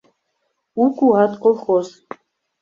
«У куат» колхоз.